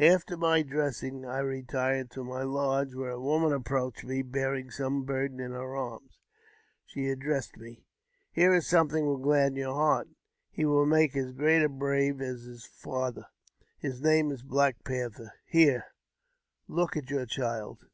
After my dressing, I retired to my lodge, when a woman approached me bearing some burden in her arms. She addressed me :" Here is something will gladden your heart; he will make as great a brave as his father : his name is Black Panther. Here, look at your child."